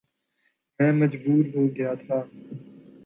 میں مجبور ہو گیا تھا